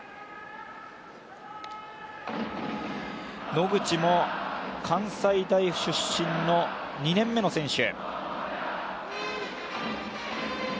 野口も関西大出身の２年目の選手。